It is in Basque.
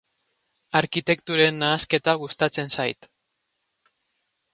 Arkitekturen nahasketa gustatzen zait.